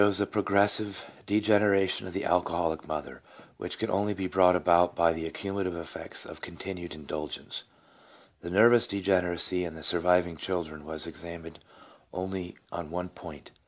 This table shows the progressive degeneration of the alcoholic mother, which can only be brought about by the accumulative effects of continued indulgence. The nervous degeneracy in the surviving children was examined only on one point.